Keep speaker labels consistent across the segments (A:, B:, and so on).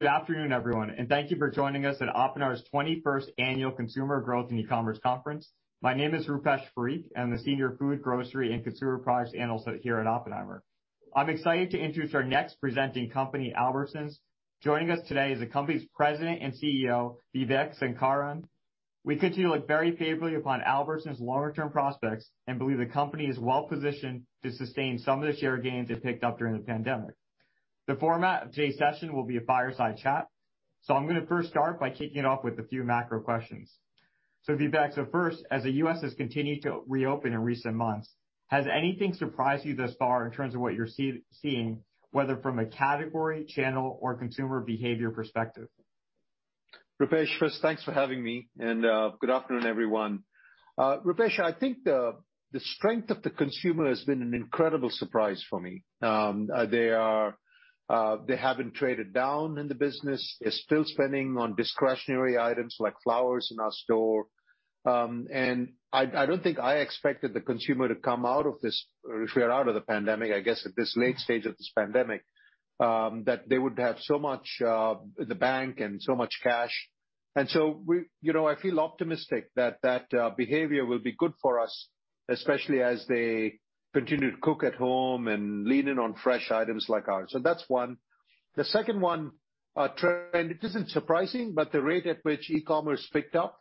A: Good afternoon, everyone, thank you for joining us at Oppenheimer 21st Annual Consumer Growth and E-Commerce Conference. My name is Rupesh Parikh, I'm the senior food grocery and consumer products analyst here at Oppenheimer. I'm excited to introduce our next presenting company, Albertsons. Joining us today is the company's President and CEO, Vivek Sankaran. We continue to look very favorably upon Albertsons' longer-term prospects and believe the company is well-positioned to sustain some of the share gains it picked up during the pandemic. The format of today's session will be a fireside chat. I'm going to first start by kicking off with a few macro questions. Vivek, first, as the U.S. has continued to reopen in recent months, has anything surprised you thus far in terms of what you're seeing, whether from a category, channel, or consumer behavior perspective?
B: Rupesh, thanks for having me. Good afternoon, everyone. Rupesh, I think the strength of the consumer has been an incredible surprise for me. They haven't traded down in the business. They're still spending on discretionary items like flowers in our store. I don't think I expected the consumer to come out of this, if we're out of the pandemic, I guess at this late stage of this pandemic, that they would have so much in the bank and so much cash. I feel optimistic that that behavior will be good for us, especially as they continue to cook at home and lean in on fresh items like ours. That's one. The second one trend isn't surprising, but the rate at which e-commerce picked up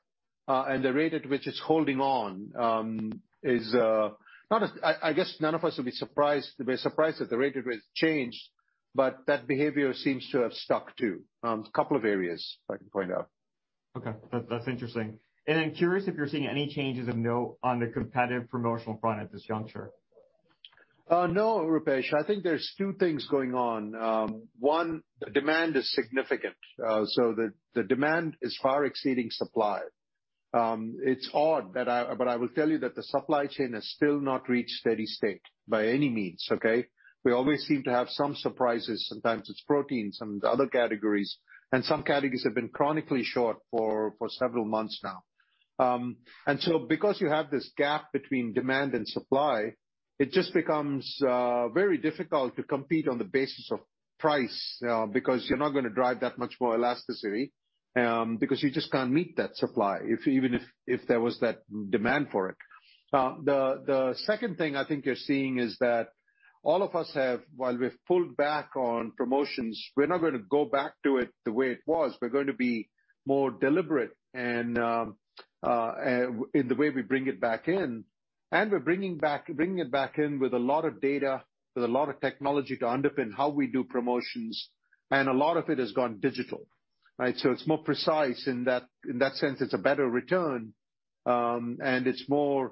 B: and the rate at which it's holding on is I guess none of us will be surprised that the rate at which changed, but that behavior seems to have stuck, too. A couple of areas I can point out.
A: Okay. That's interesting. I'm curious if you're seeing any changes on the competitive promotional front at this juncture?
B: No, Rupesh. I think there's two things going on. One, the demand is significant. The demand is far exceeding supply. It's odd, I will tell you that the supply chain has still not reached steady state by any means, okay? We always seem to have some surprises. Sometimes it's protein, sometimes other categories, some categories have been chronically short for several months now. Because you have this gap between demand and supply, it just becomes very difficult to compete on the basis of price because you're not going to drive that much more elasticity, because you just can't meet that supply even if there was that demand for it. The second thing I think you're seeing is that all of us have, while we've pulled back on promotions, we're not going to go back to it the way it was. We're going to be more deliberate in the way we bring it back in. We're bringing it back in with a lot of data, with a lot of technology to underpin how we do promotions, and a lot of it has gone digital, right? It's more precise. In that sense, it's a better return, and it's more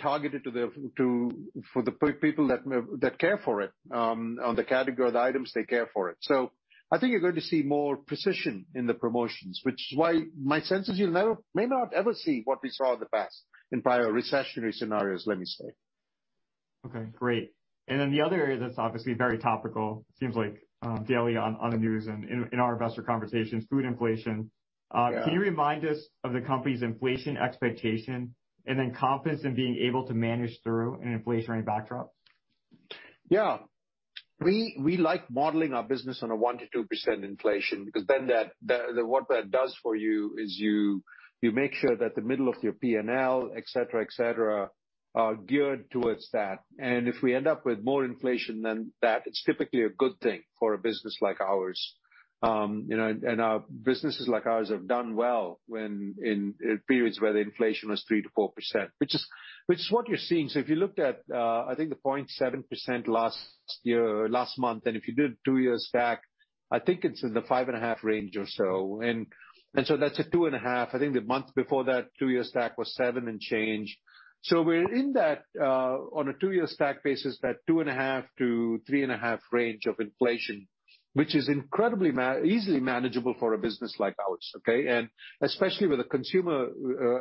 B: targeted for the people that care for it, or the category of the items they care for it. I think you're going to see more precision in the promotions, which is why my sense is you may not ever see what we saw in the past in prior recessionary scenarios, let me say.
A: Okay, great. The other area that's obviously very topical, it seems like daily on the news and in our investor conversations, food inflation. Can you remind us of the company's inflation expectation and then confidence in being able to manage through an inflationary backdrop?
B: Yeah. We like modeling our business on a 1%-2% inflation because then what that does for you is you make sure that the middle of your P&L, et cetera, are geared towards that. If we end up with more inflation than that, it's typically a good thing for a business like ours. Businesses like ours have done well in periods where the inflation was 3%-4%, which is what you're seeing. If you looked at, I think, the 0.7% last month, and if you did two years back, I think it's in the 5.5 range or so. That's a 2.5. I think the month before that, two years back, was seven and change. We're in that, on a two-year stack basis, that two and a half to three and a half range of inflation, which is incredibly easily manageable for a business like ours, okay. Especially with a consumer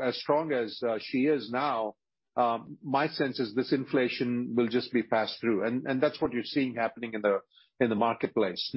B: as strong as she is now. My sense is this inflation will just be passed through, and that's what you're seeing happening in the marketplace.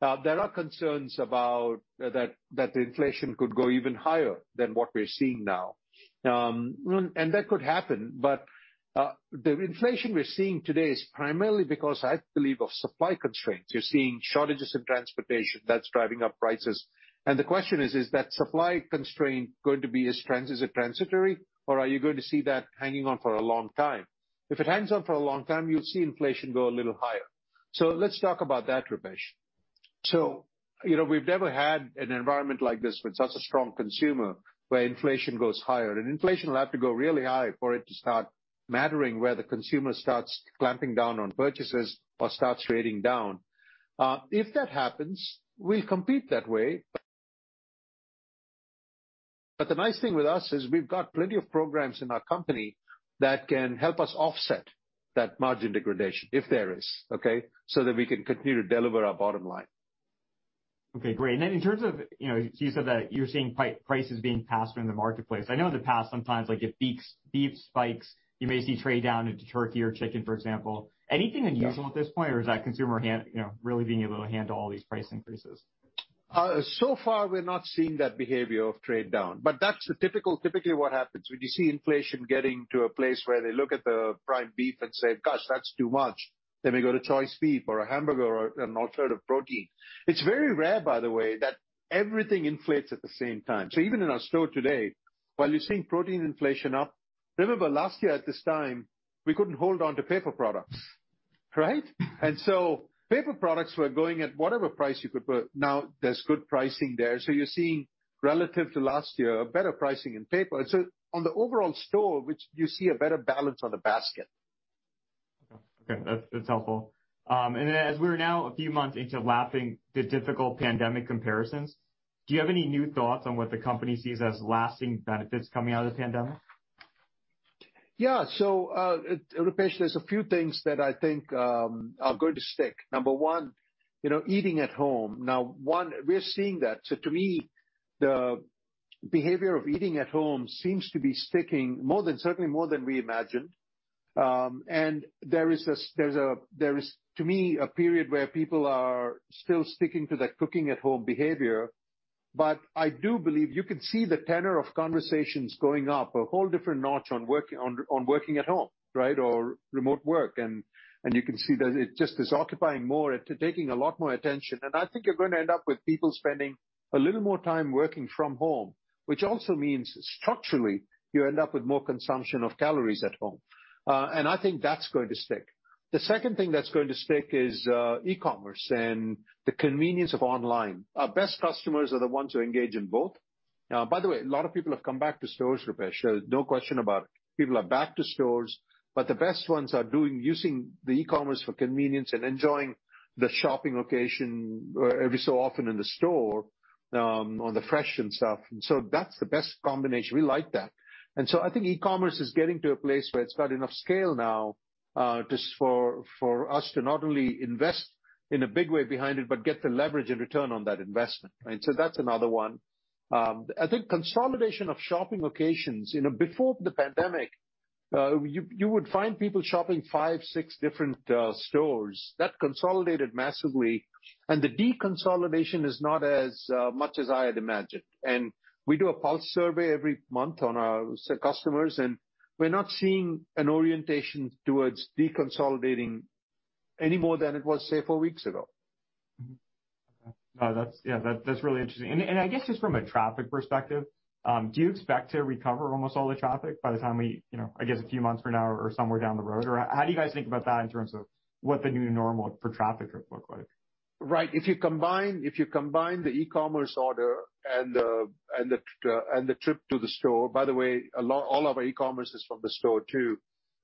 B: There are concerns that inflation could go even higher than what we're seeing now. That could happen. The inflation we're seeing today is primarily because, I believe, of supply constraints. You're seeing shortages in transportation that's driving up prices. The question is that supply constraint going to be as transitory, or are you going to see that hanging on for a long time? If it hangs on for a long time, you'll see inflation go a little higher. Let's talk about that, Rupesh. We've never had an environment like this with such a strong consumer where inflation goes higher. Inflation will have to go really high for it to start mattering where the consumer starts clamping down on purchases or starts trading down. If that happens, we'll compete that way. The nice thing with us is we've got plenty of programs in our company that can help us offset that margin degradation, if there is, okay. That we can continue to deliver our bottom line.
A: Okay, great. In terms of, you said that you're seeing prices being passed on in the marketplace. I know in the past sometimes like beef spikes, you may see trade down into turkey or chicken, for example. Anything unusual at this point, or is that consumer really being able to handle all these price increases?
B: Far, we're not seeing that behavior of trade down. That's typically what happens. When you see inflation getting to a place where they look at the prime beef and say, "Gosh, that's too much. "Then we go to choice beef or a hamburger or an alternative protein. It's very rare, by the way, that everything inflates at the same time. Even in our store today, while you're seeing protein inflation up, remember last year at this time, we couldn't hold onto paper products. Right? Paper products were going at whatever price you could put. Now there's good pricing there. You're seeing relative to last year, better pricing in paper. On the overall store, you see a better balance on the basket.
A: Okay. That's helpful. As we're now a few months into lapping the difficult pandemic comparisons, do you have any new thoughts on what the company sees as lasting benefits coming out of the pandemic?
B: Yeah. Rupesh, there's a few things that I think are going to stick. Number one, eating at home. One, we're seeing that. To me, the behavior of eating at home seems to be sticking certainly more than we imagined. There is, to me, a period where people are still sticking to that cooking at home behavior. I do believe you can see the tenor of conversations going up a whole different notch on working at home, right? Remote work. You can see that it just is occupying more and taking a lot more attention. I think you're going to end up with people spending a little more time working from home, which also means structurally, you end up with more consumption of calories at home. I think that's going to stick. The second thing that's going to stick is e-commerce and the convenience of online. Our best customers are the ones who engage in both. Now, by the way, a lot of people have come back to stores, Rupesh. No question about it. People are back to stores. The best ones are using the e-commerce for convenience and enjoying the shopping occasion every so often in the store on the fresh and stuff. That's the best combination. We like that. I think e-commerce is getting to a place where it's got enough scale now, just for us to not only invest in a big way behind it, but get the leverage and return on that investment, right. That's another one. I think consolidation of shopping locations. Before the pandemic, you would find people shopping five, six different stores. That consolidated massively, and the deconsolidation is not as much as I had imagined. We do a pulse survey every month on our customers, and we're not seeing an orientation towards deconsolidating any more than it was, say, four weeks ago.
A: Yeah. That's really interesting. I guess just from a traffic perspective, do you expect to recover almost all the traffic by the time I guess a few months from now or somewhere down the road? How do you guys think about that in terms of what the new normal for traffic would look like?
B: Right. If you combine the e-commerce order and the trip to the store, by the way, all of our e-commerce is from the store too.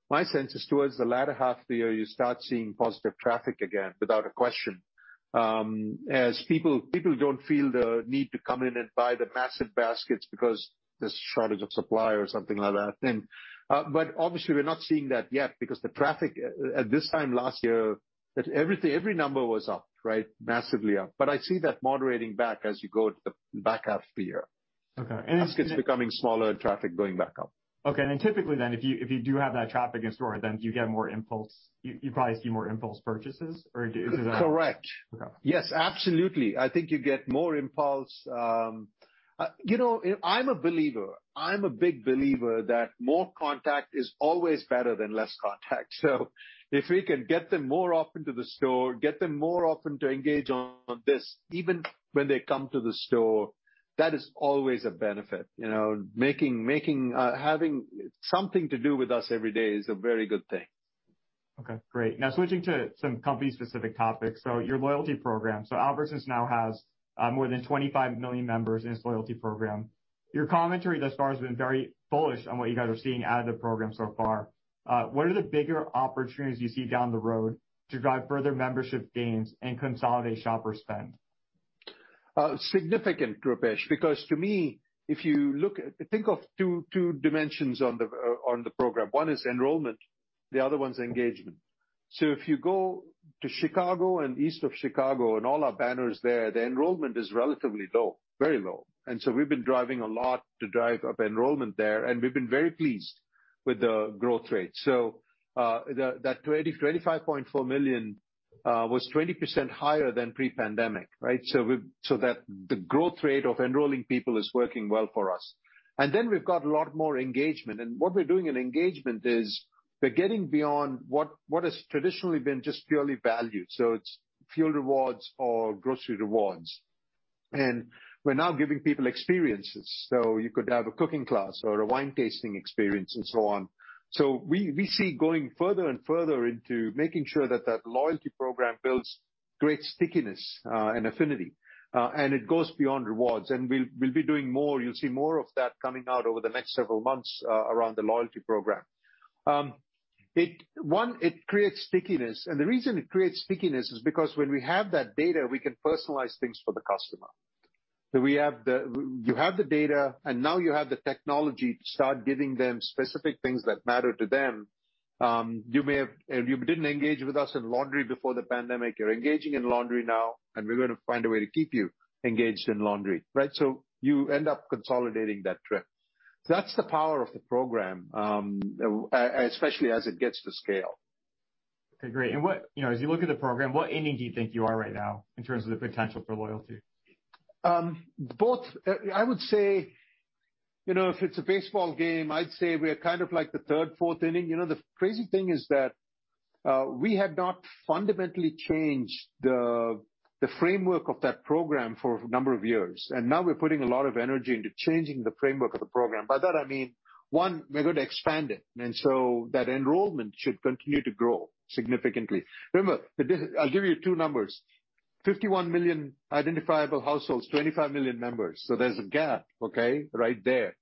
B: My sense is towards the latter half of the year, you start seeing positive traffic again, without a question. As people don't feel the need to come in and buy the massive baskets because there's a shortage of supply or something like that. Obviously, we're not seeing that yet because the traffic at this time last year, every number was up, right? Massively up. I see that moderating back as you go back half the year. Baskets becoming smaller and traffic going back up.
A: Okay. Typically then, if you do have that traffic in store, then do you get more impulse? You probably see more impulse purchases?
B: Correct.
A: Okay.
B: Yes, absolutely. I think you get more impulse. I'm a believer. I'm a big believer that more contact is always better than less contact. If we can get them more often to the store, get them more often to engage on this, even when they come to the store, that is always a benefit. Having something to do with us every day is a very good thing.
A: Okay, great. Now switching to some company-specific topics. Your loyalty program. Albertsons now has more than 25 million members in its loyalty program. Your commentary thus far has been very bullish on what you guys are seeing out of the program so far. What are the bigger opportunities you see down the road to drive further membership gains and consolidate shopper spend?
B: Significant, Rupesh. To me, if you think of two dimensions on the program. One is enrollment, the other one's engagement. If you go to Chicago and east of Chicago and all our banners there, the enrollment is relatively low, very low. We've been driving a lot to drive up enrollment there, and we've been very pleased with the growth rate. That $25.4 million was 20% higher than pre-pandemic, right? That the growth rate of enrolling people is working well for us. We've got a lot more engagement. What we're doing in engagement is we're getting beyond what has traditionally been just purely valued. It's fuel rewards or grocery rewards. We're now giving people experiences. You could have a cooking class or a wine tasting experience and so on. We see going further and further into making sure that that loyalty program builds great stickiness and affinity, it goes beyond rewards. We'll be doing more. You'll see more of that coming out over the next several months around the loyalty program. One, it creates stickiness. The reason it creates stickiness is because when we have that data, we can personalize things for the customer. You have the data, and now you have the technology to start giving them specific things that matter to them. You didn't engage with us in laundry before the pandemic. You're engaging in laundry now, and we're going to find a way to keep you engaged in laundry, right? You end up consolidating that trip. That's the power of the program, especially as it gets to scale.
A: Okay, great. As you look at the program, what inning do you think you are right now in terms of the potential for loyalty?
B: If it's a baseball game, I'd say we're kind of like the third, fourth inning. The crazy thing is that we had not fundamentally changed the framework of that program for a number of years. Now we're putting a lot of energy into changing the framework of the program. By that I mean, one, we're going to expand it. That enrollment should continue to grow significantly. Remember, I'll give you two numbers, 51 million identifiable households, 25 million members. There's a gap, okay, right there.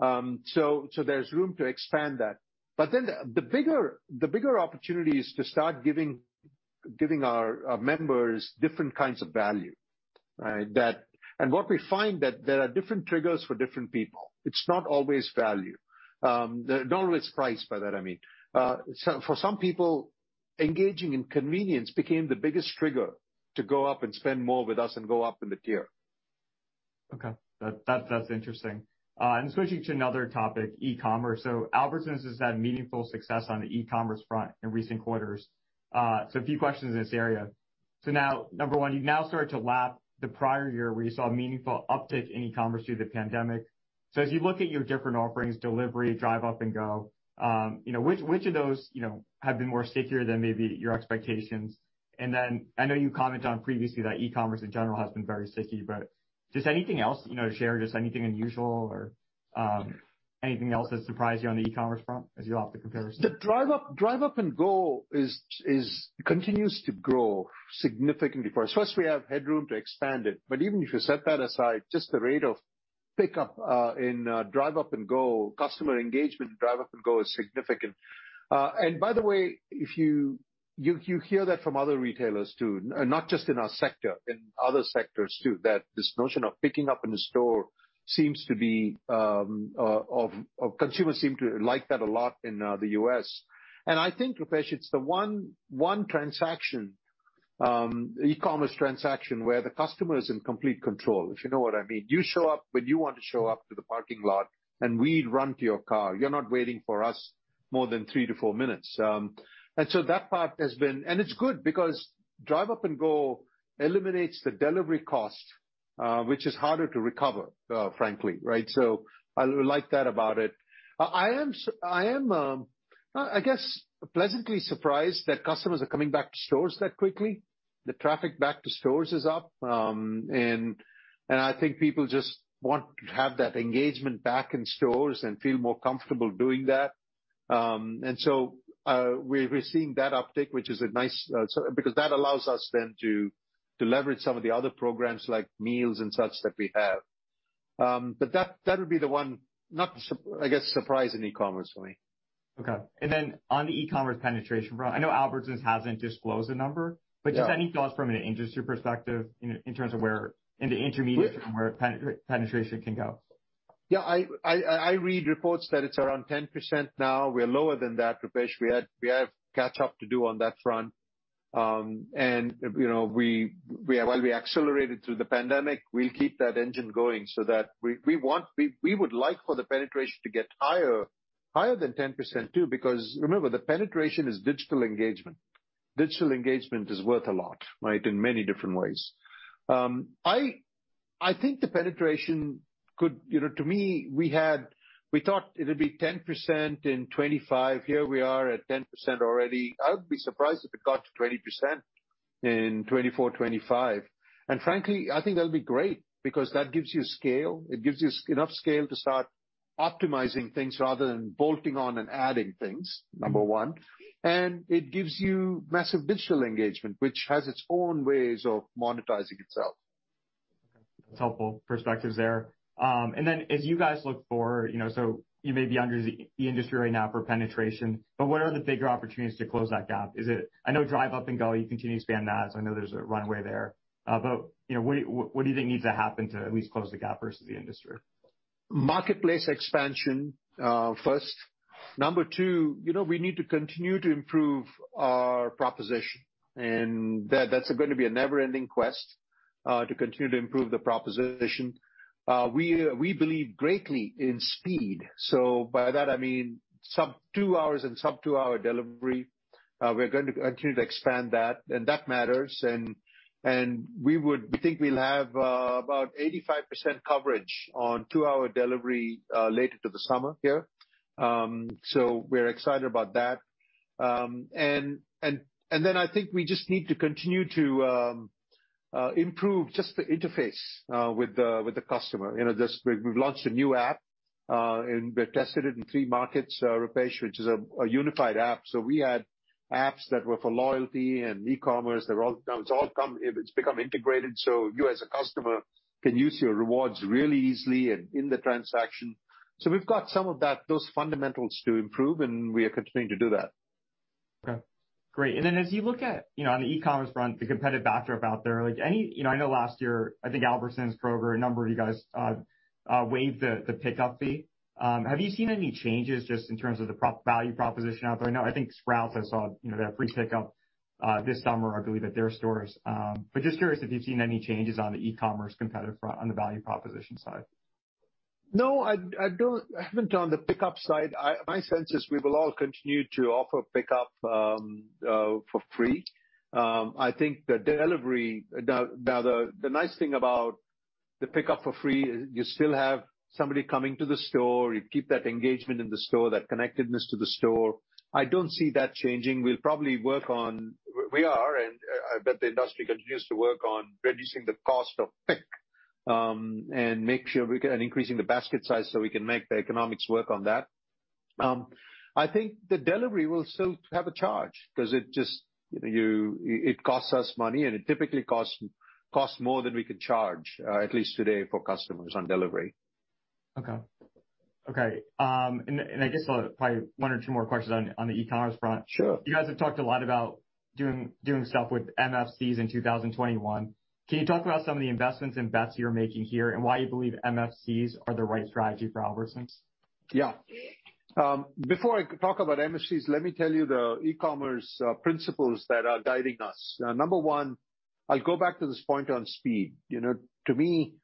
B: There's room to expand that. The bigger opportunity is to start giving our members different kinds of value. What we find that there are different triggers for different people. It's not always value. Not always price, by that I mean. For some people, engaging in convenience became the biggest trigger to go up and spend more with us and go up in the tier.
A: Okay. That's interesting. Switching to another topic, e-commerce. Albertsons has had meaningful success on the e-commerce front in recent quarters. A few questions in this area. Now, number one, you've now started to lap the prior year where you saw meaningful uptick in e-commerce due to the pandemic. As you look at your different offerings, delivery, DriveUp & Go, which of those have been more stickier than maybe your expectations? I know you commented on previously that e-commerce in general has been very sticky, but just anything else you want to share? Just anything unusual or anything else that surprised you on the e-commerce front as you went through comparisons?
B: The DriveUp & Go continues to grow significantly for us. First, we have headroom to expand it. Even if you set that aside, just the rate of pickup in DriveUp & Go, customer engagement in DriveUp & Go is significant. By the way, you hear that from other retailers, too. Not just in our sector, in other sectors, too, that this notion of picking up in store consumers seem to like that a lot in the U.S. I think, Rupesh, it's the one e-commerce transaction where the customer is in complete control, if you know what I mean. You show up when you want to show up to the parking lot, and we run to your car. You're not waiting for us more than three to four minutes. It's good because DriveUp & Go eliminates the delivery cost, which is harder to recover, frankly, right? I like that about it. I am, I guess, pleasantly surprised that customers are coming back to stores that quickly. The traffic back to stores is up. I think people just want to have that engagement back in stores and feel more comfortable doing that. We're seeing that uptick, which is nice because that allows us then to leverage some of the other programs like meals and such that we have. That would be the one, I guess, surprise in e-commerce for me.
A: Okay. On the e-commerce penetration front, I know Albertsons hasn't disclosed a number, just any thoughts from an industry perspective in terms of where in the intermediate term, where penetration can go?
B: Yeah, I read reports that it's around 10% now. We're lower than that, Rupesh. We have catch-up to do on that front. While we accelerated through the pandemic, we keep that engine going. We would like for the penetration to get higher than 10%, too, because remember, the penetration is digital engagement. Digital engagement is worth a lot, right, in many different ways. To me, we thought it'd be 10% in 2025. Here we are at 10% already. I would be surprised if it got to 20% in 2024, 2025. Frankly, I think that'll be great because that gives you scale. It gives you enough scale to start optimizing things rather than bolting on and adding things. number 1. It gives you massive digital engagement, which has its own ways of monetizing itself.
A: That's helpful perspective there. As you guys look forward, you may be under the industry right now for penetration, where are the bigger opportunities to close that gap? I know DriveUp & Go, you continue to stand that. I know there's a runway there. What do you think needs to happen to at least close the gap versus the industry?
B: Marketplace expansion first. Number two, we need to continue to improve our proposition, and that's going to be a never-ending quest to continue to improve the proposition. We believe greatly in speed. By that I mean sub two hours and sub-two-hour delivery. We're going to continue to expand that, and that matters. We think we'll have about 85% coverage on two-hour delivery later to the summer here. We're excited about that. I think we just need to continue to improve just the interface with the customer. We've launched a new app, and we tested it in three markets, Rupesh, which is a unified app. We had apps that were for loyalty and e-commerce. It's become integrated, so you as a customer can use your rewards really easily and in the transaction. We've got some of those fundamentals to improve, and we are continuing to do that.
A: Okay, great. As you look at, on the e-commerce front, the competitive backdrop out there, I know last year, I think Albertsons, Kroger, a number of you guys waived the pickup fee. Have you seen any changes just in terms of the value proposition out there? I know, I think Sprouts, I saw their free pickup this summer, I believe, at their stores. Just curious, have you seen any changes on the e-commerce competitive front on the value proposition side?
B: No, I haven't on the pickup side. My sense is we will all continue to offer pickup for free. I think the delivery. Now the nice thing about the pickup for free, you still have somebody coming to the store. You keep that engagement in the store, that connectedness to the store. I don't see that changing. We are, and I bet the industry continues to work on reducing the cost of pick, and make sure we get increasing the basket size so we can make the economics work on that. I think the delivery will still have a charge because it costs us money, and it typically costs more than we can charge, at least today, for customers on delivery.
A: Okay. I guess probably one or two more questions on the e-commerce front. You guys have talked a lot about doing stuff with MFCs in 2021. Can you talk about some of the investments and bets you're making here and why you believe MFCs are the right strategy for Albertsons?
B: Yeah. Before I talk about MFCs, let me tell you the e-commerce principles that are guiding us. Number one, I go back to this point on speed. To me,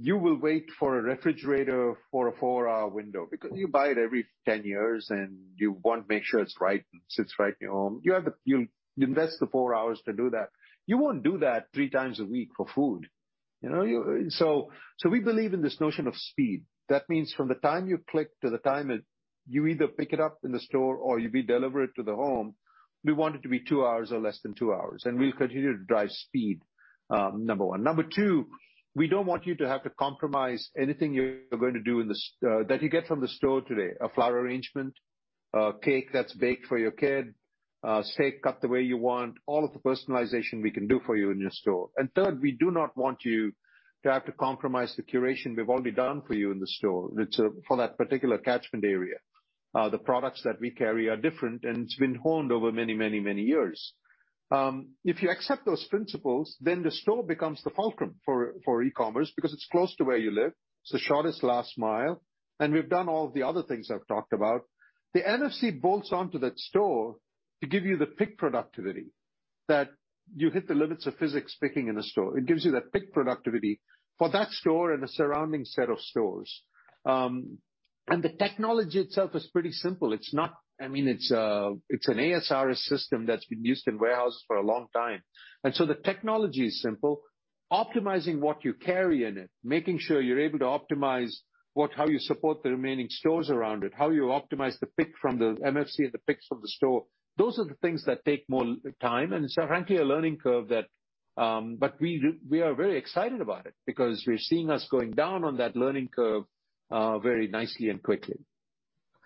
B: you will wait for a refrigerator for a four-hour window because you buy it every 10 years, and you want to make sure it sits right in your home. You invest the four hours to do that. You won't do that three times a week for food. We believe in this notion of speed. That means from the time you click to the time that you either pick it up in the store or you be delivered to the home, we want it to be two hours or less than two hours, and we'll continue to drive speed, number one. Number two, we don't want you to have to compromise anything that you get from the store today. A flower arrangement, a cake that's baked for your kid, steak cut the way you want, all of the personalization we can do for you in your store. Third, we do not want you to have to compromise the curation we've already done for you in the store for that particular catchment area. The products that we carry are different, and it's been honed over many years. If you accept those principles, the store becomes the fulcrum for e-commerce because it's close to where you live. It's the shortest last mile, and we've done all the other things I've talked about. The MFC bolts onto that store to give you the pick productivity that you hit the limits of physics picking in the store. It gives you that pick productivity for that store and the surrounding set of stores. The technology itself is pretty simple. It's an ASRS system that's been used in warehouses for a long time. The technology is simple. Optimizing what you carry in it, making sure you're able to optimize how you support the remaining stores around it, how you optimize the pick from the MFC and the picks from the store. Those are the things that take more time and it's frankly, a learning curve. We are very excited about it because we're seeing us going down on that learning curve very nicely and quickly.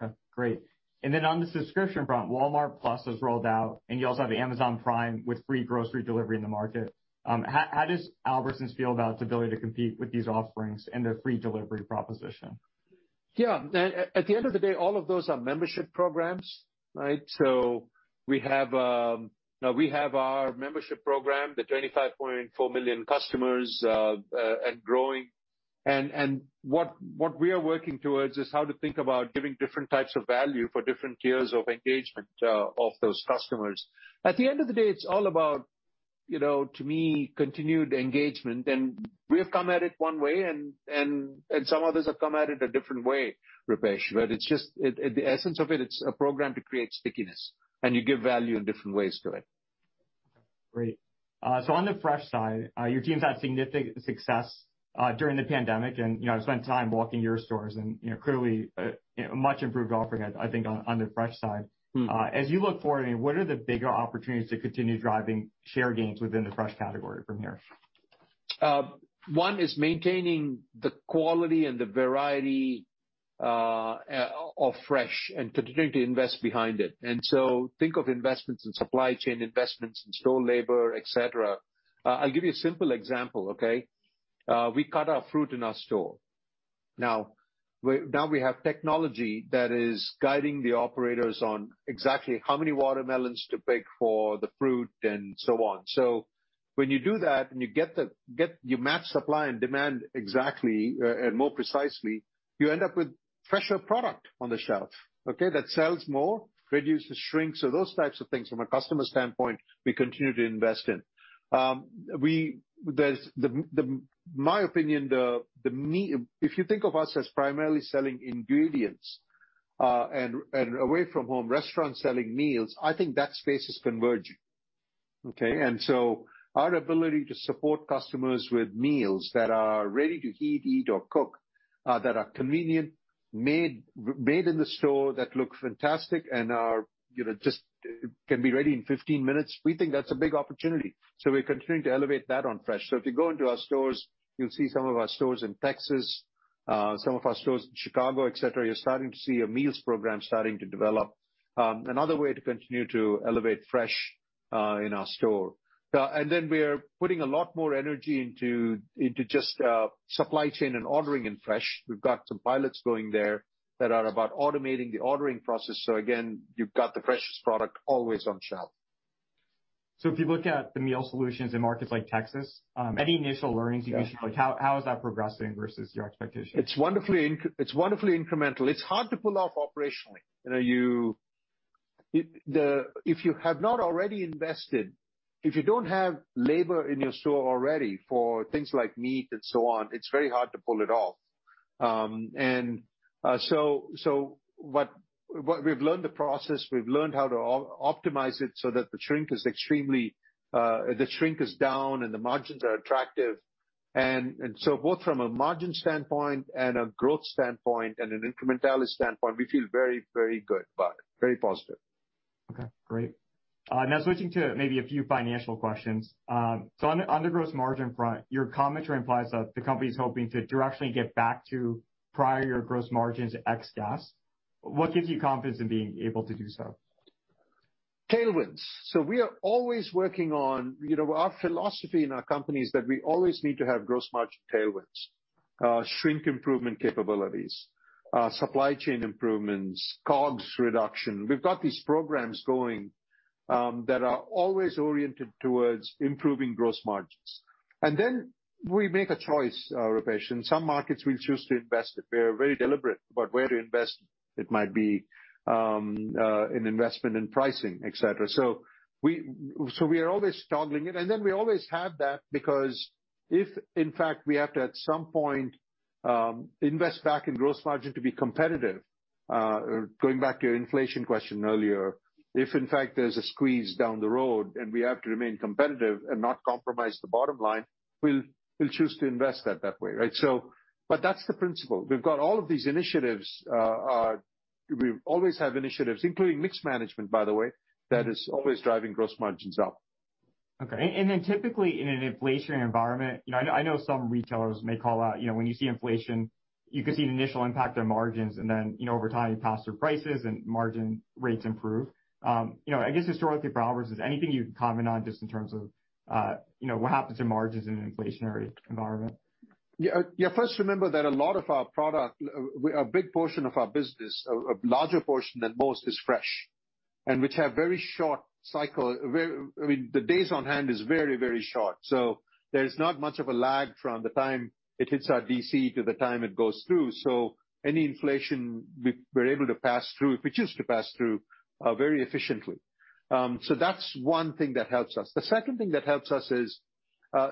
A: Okay, great. On the subscription front, Walmart+ has rolled out, and you also have Amazon Prime with free grocery delivery in the market. How does Albertsons feel about its ability to compete with these offerings and their free delivery proposition?
B: Yeah. At the end of the day, all of those are membership programs, right? We have our membership program, the 25.4 million customers, and growing. What we are working towards is how to think about giving different types of value for different tiers of engagement of those customers. At the end of the day, it's all about, to me, continued engagement. We've come at it one way, and some others have come at it a different way, Rupesh. The essence of it's a program to create stickiness, and you give value in different ways to it.
A: Great. On the fresh side, your team's had significant success during the pandemic, and I spent time walking your stores and clearly a much improved offering, I think, on the fresh side. As you look forward, what are the bigger opportunities to continue driving share gains within the fresh category from here?
B: One is maintaining the quality and the variety of fresh and continuing to invest behind it. Think of investments in supply chain, investments in store labor, et cetera. I'll give you a simple example, okay? We cut our fruit in our store. Now we have technology that is guiding the operators on exactly how many watermelons to pick for the fruit and so on. When you do that and you map supply and demand exactly and more precisely, you end up with fresher product on the shelf, okay, that sells more, reduces shrink. Those types of things from a customer standpoint, we continue to invest in. My opinion, if you think of us as primarily selling ingredients, and away-from-home restaurant selling meals, I think that space is converging, okay? Our ability to support customers with meals that are ready to heat, eat, or cook, that are convenient, made in the store, that look fantastic and just can be ready in 15 minutes, we think that's a big opportunity. We're continuing to elevate that on fresh. If you go into our stores, you'll see some of our stores in Texas, some of our stores in Chicago, et cetera. You're starting to see a meals program starting to develop. Another way to continue to elevate fresh in our store. Then we are putting a lot more energy into just supply chain and ordering in fresh. We've got some pilots going there that are about automating the ordering process. Again, you've got the freshest product always on shelf.
A: If you look at the meal solutions in markets like Texas, any initial learnings you can share? How is that progressing versus your expectations?
B: It's wonderfully incremental. It's hard to pull off operationally. If you have not already invested, if you don't have labor in your store already for things like meat and so on, it's very hard to pull it off. So we've learned the process, we've learned how to optimize it so that the shrink is down, and the margins are attractive. Both from a margin standpoint and a growth standpoint and an incrementalist standpoint, we feel very, very good about it. Very positive.
A: Okay, great. Now switching to maybe a few financial questions. On the gross margin front, your commentary implies that the company's hoping to directly get back to prior gross margins ex-gas. What gives you confidence in being able to do so?
B: Tailwinds. We are always working on Our philosophy in our company is that we always need to have gross margin tailwinds, shrink improvement capabilities, supply chain improvements, COGS reduction. We've got these programs going that are always oriented towards improving gross margins. We make a choice, Rupesh. Some markets we choose to invest in. We are very deliberate about where to invest. It might be an investment in pricing, et cetera. We are always toggling it. We always have that because if, in fact, we have to, at some point, invest back in gross margin to be competitive, going back to your inflation question earlier. If, in fact, there's a squeeze down the road and we have to remain competitive and not compromise the bottom line, we'll choose to invest that that way, right? That's the principle. We've got all of these initiatives. We've always had initiatives, including mix management, by the way. that is always driving gross margins up.
A: Okay. Typically in an inflationary environment, I know some retailers may call out, when you see inflation, you could see the initial impact on margins, and then over time, you pass through prices and margin rates improve. I guess historically for Albertsons, anything you can comment on just in terms of what happens to margins in an inflationary environment?
B: Yeah. First remember that a lot of our product, a big portion of our business, a larger portion than most, is fresh, and which have very short cycle. I mean, the days on hand is very, very short. There's not much of a lag from the time it hits our DC to the time it goes through. Any inflation, we're able to pass through, we choose to pass through very efficiently. That's one thing that helps us. The second thing that helps us is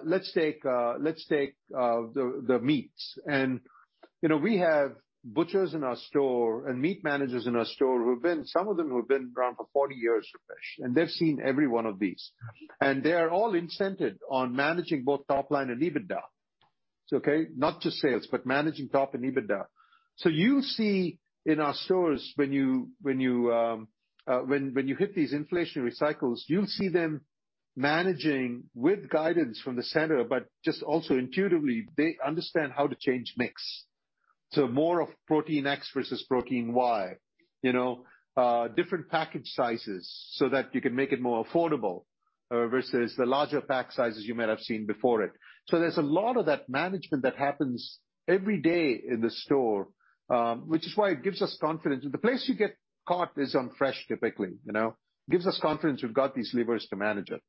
B: let's take the meats. We have butchers in our store and meat managers in our store who have been around for 40 years, Rupesh, and they've seen every one of these. They are all incented on managing both top line and EBITDA. Okay? Not just sales, but managing top and EBITDA. You see in our stores when you hit these inflationary cycles, you'll see them managing with guidance from the center, but just also intuitively, they understand how to change mix. More of protein X versus protein Y. Different package sizes so that you can make it more affordable versus the larger pack sizes you might have seen before it. There's a lot of that management that happens every day in the store, which is why it gives us confidence. The place you get caught is on fresh, typically. This gives us confidence we've got these levers to manage it.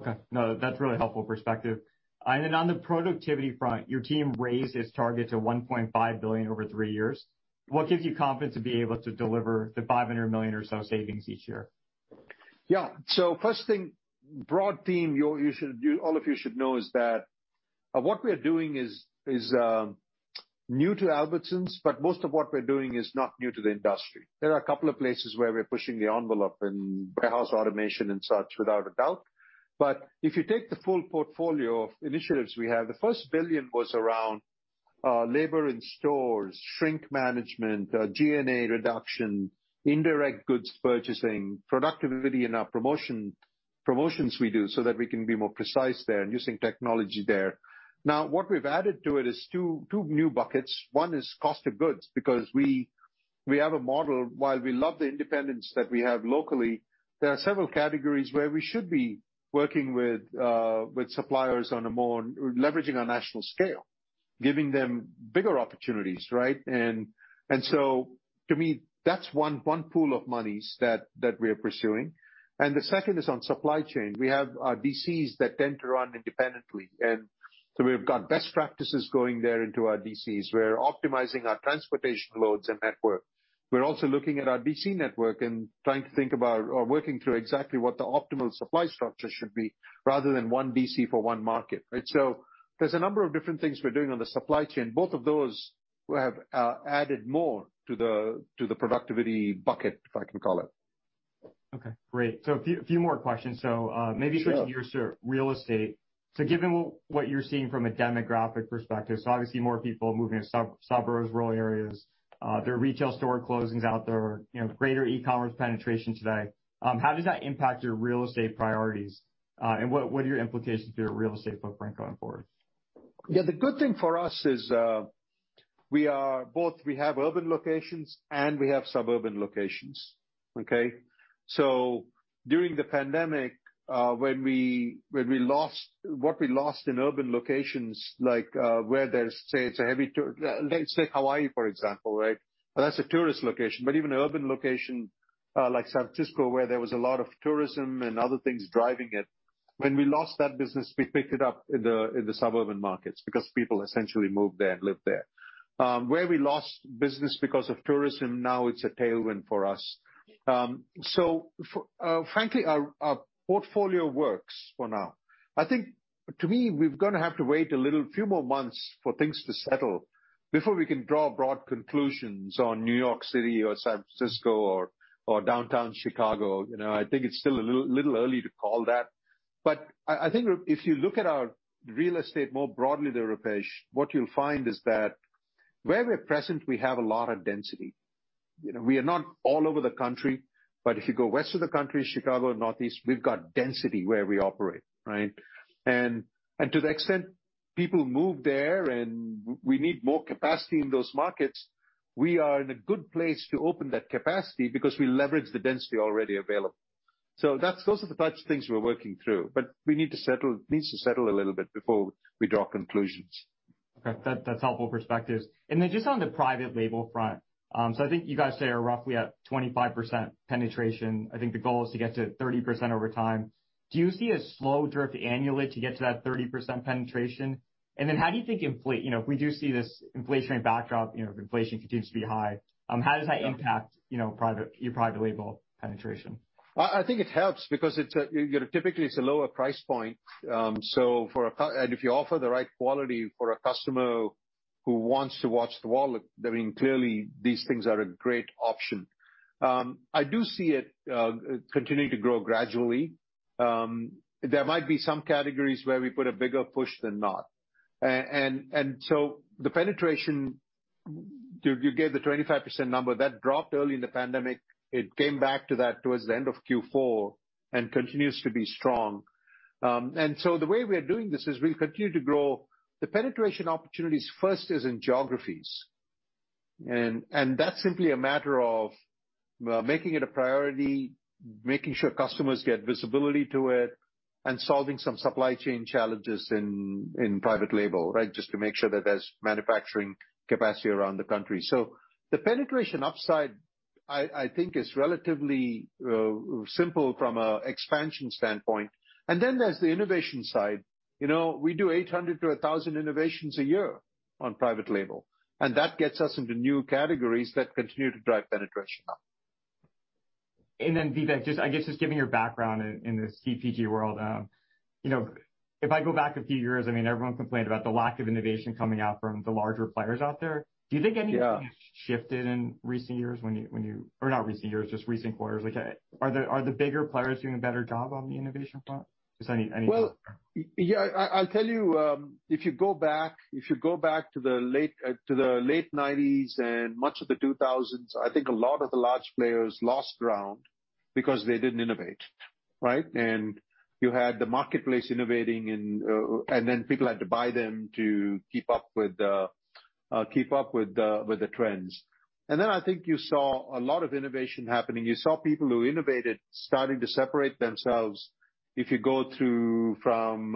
A: Okay. No, that's a really helpful perspective. On the productivity front, your team raised its target to $1.5 billion over three years. What gives you confidence to be able to deliver the $500 million or so savings each year?
B: Yeah. First thing, broad theme all of you should know is that what we're doing is new to Albertsons, but most of what we're doing is not new to the industry. There are a couple of places where we're pushing the envelope in warehouse automation and such, without a doubt. If you take the full portfolio of initiatives we have, the first $1 billion was around labor in stores, shrink management, G&A reduction, indirect goods purchasing, productivity in our promotions we do so that we can be more precise there and using technology there. Now, what we've added to it is two new buckets. One is cost of goods because we have a model. While we love the independence that we have locally, there are several categories where we should be working with suppliers leveraging our national scale, giving them bigger opportunities, right? To me, that's one pool of monies that we're pursuing. The second is on supply chain. We have our DCs that tend to run independently. We've got best practices going there into our DCs. We're optimizing our transportation loads and network. We're also looking at our DC network and trying to think about or working through exactly what the optimal supply structure should be rather than one DC for one market, right? There's a number of different things we're doing on the supply chain. Both of those have added more to the productivity bucket, if I can call it.
A: Okay, great. A few more questions. Switching gears to real estate. Given what you're seeing from a demographic perspective, so obviously more people are moving to suburbs, rural areas. There are retail store closings out there, greater e-commerce penetration today. How does that impact your real estate priorities? What are your implications for your real estate footprint going forward?
B: The good thing for us is both we have urban locations and we have suburban locations, okay. During the pandemic, what we lost in urban locations, like Let's say Hawaii, for example, right? That's a tourist location. Even urban location like San Francisco where there was a lot of tourism and other things driving it, when we lost that business, we picked it up in the suburban markets because people essentially moved there and lived there. Where we lost business because of tourism, now it's a tailwind for us. Frankly, our portfolio works for now. To me, we're going to have to wait a little few more months for things to settle before we can draw broad conclusions on New York City or San Francisco or downtown Chicago. I think it's still a little early to call that. I think if you look at our real estate more broadly there, Rupesh, what you'll find is that where we're present, we have a lot of density. We are not all over the country, but if you go west of the country, Chicago, Northeast, we've got density where we operate, right? To the extent people move there and we need more capacity in those markets, we are in a good place to open that capacity because we leverage the density already available. Those are the types of things we're working through. We need to settle a little bit before we draw conclusions.
A: Okay. That's helpful perspective. Just on the private label front, I think you guys say you're roughly at 25% penetration. I think the goal is to get to 30% over time. Do you see a slow drift annually to get to that 30% penetration? How do you think if we do see this inflation backdrop, if inflation continues to be high, how does that impact your private label penetration?
B: I think it helps because typically it's a lower price point. If you offer the right quality for a customer who wants to watch the wallet, clearly these things are a great option. I do see it continuing to grow gradually. There might be some categories where we put a bigger push than not. The penetration, you get the 25% number that dropped early in the pandemic. It came back to that towards the end of Q4 and continues to be strong. The way we are doing this is we continue to grow the penetration opportunities first is in geographies. That's simply a matter of making it a priority, making sure customers get visibility to it, and solving some supply chain challenges in private label, just to make sure that there's manufacturing capacity around the country. The penetration upside, I think, is relatively simple from an expansion standpoint. Then there's the innovation side. We do 800-1,000 innovations a year on private label, and that gets us into new categories that continue to drive penetration up.
A: Vivek, I guess just given your background in the CPG world, if I go back a few years, everyone complained about the lack of innovation coming out from the larger players out there. Do you think anything?
B: Yeah
A: shifted in recent years or not recent years, just recent quarters. Are the bigger players doing a better job on the innovation front?
B: Well, yeah, I'll tell you, if you go back to the late 90s and much of the 2000s, I think a lot of the large players lost ground because they didn't innovate, right? You had the marketplace innovating and then people had to buy them to keep up with the trends. Then I think you saw a lot of innovation happening. You saw people who innovated starting to separate themselves if you go through from,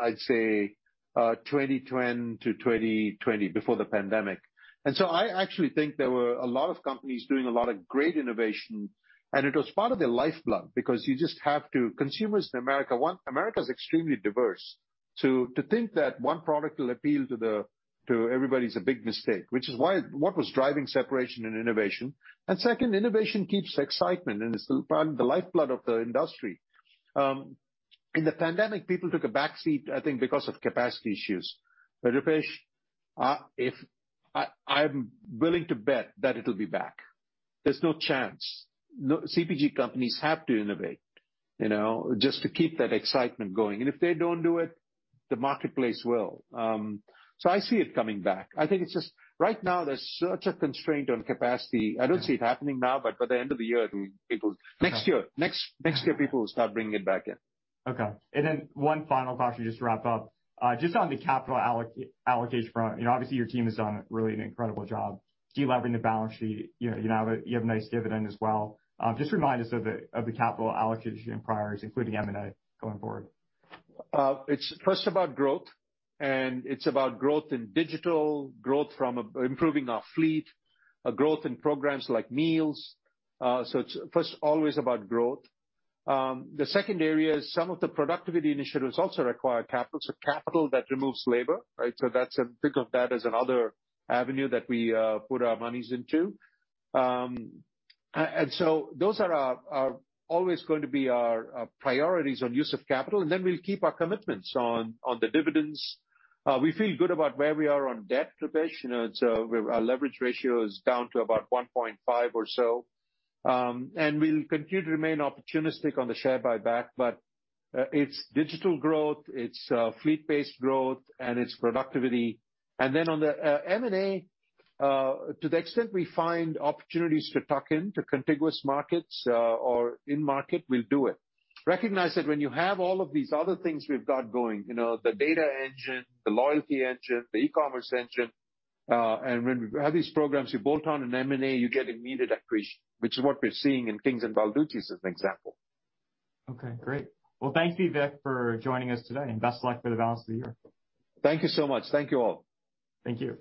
B: I'd say, 2010-2020, before the pandemic. I actually think there were a lot of companies doing a lot of great innovation, and it was part of their lifeblood because you just have to. Consumers in America want. America is extremely diverse. To think that one product will appeal to everybody is a big mistake, which is what was driving separation and innovation. Second, innovation keeps excitement, and it's the lifeblood of the industry. In the pandemic, people took a backseat, I think because of capacity issues. Rupesh, I'm willing to bet that it'll be back. There's no chance. CPG companies have to innovate just to keep that excitement going. If they don't do it, the marketplace will. I see it coming back. I think it's just right now there's such a constraint on capacity. I don't see it happening now, but by the end of the year, next year, people will start bringing it back in.
A: Okay. One final question, just to wrap up, just on the capital allocation front, obviously your team has done a really incredible job de-levering the balance sheet. You have a nice dividend as well. Just remind us of the capital allocation priorities, including M&A going forward.
B: It's first about growth, it's about growth in digital, growth from improving our fleet, growth in programs like meals. It's first always about growth. The second area is some of the productivity initiatives also require capital. Capital that removes labor, right? Think of that as another avenue that we put our monies into. Those are always going to be our priorities on use of capital. Then we'll keep our commitments on the dividends. We feel good about where we are on debt, Rupesh. Our leverage ratio is down to about 1.5 or so. We'll continue to remain opportunistic on the share buyback. It's digital growth, it's fleet-based growth, and it's productivity. Then on the M&A, to the extent we find opportunities to tuck in to contiguous markets or in-market, we'll do it. Recognize that when you have all of these other things we've got going, the data engine, the loyalty engine, the e-commerce engine, when we have these programs, you bolt on an M&A, you get immediate accretion, which is what we're seeing in things in Balducci's, as an example.
A: Okay, great. Well, thank you, Vivek, for joining us today, and best luck for the balance of the year.
B: Thank you so much. Thank you all.
A: Thank you.